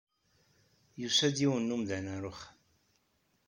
Yusa-d yiwen n umdan ɣer uxxam.